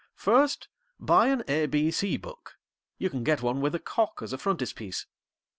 'First buy an ABC book; you can get one with a cock as a frontispiece.